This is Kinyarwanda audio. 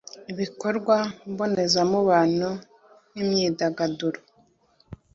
ibikorwa mbonezamubano nk’imyidagaduro